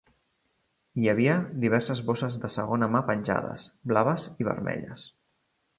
Hi havia diverses bosses de segona mà penjades, blaves i vermelles.